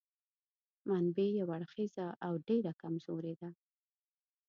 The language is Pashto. منبع یو اړخیزه او ډېره کمزورې ده.